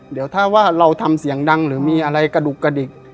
เดี๋ยวถ้าว่าเราทำเสียงดังหรือมีอะไรกระดุกกระดิก